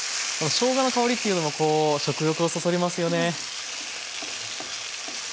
しょうがの香りっていうのもこう食欲をそそりますよね。